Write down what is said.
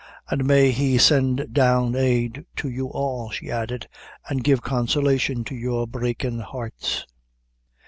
"An' may He send down aid to you all," she added, "an' give consolation to your breakin' hearts!"